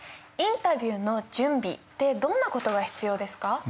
インタビューの準備ってどんな事が必要ですか？